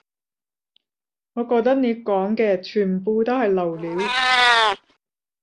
我覺得你講嘅全部都係流料